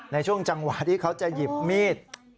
ในช่วงจังหวะที่เขาจะหยิบมีด